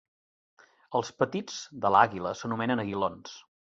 Els petits de l'àguila s'anomenen aguilons.